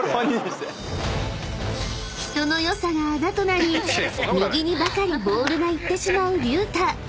［人の良さがあだとなり右にばかりボールが行ってしまう隆太］